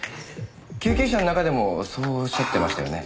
救急車の中でもそうおっしゃってましたよね。